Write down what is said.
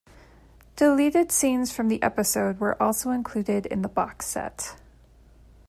Deleted scenes from the episode were also included in the box set.